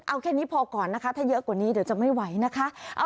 เอาแค่นี้พอก่อนนะคะถ้าเยอะกว่านี้เดี๋ยวจะไม่ไหวนะคะ